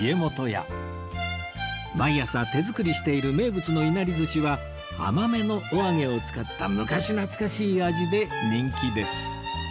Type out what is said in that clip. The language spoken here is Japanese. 毎朝手作りしている名物のいなりずしは甘めのお揚げを使った昔懐かしい味で人気です